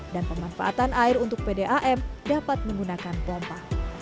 dan pemanfaatan air untuk pdam dapat menggunakan pompa